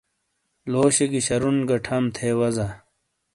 لوشی گی شرُون گی ٹھام تھے وزا۔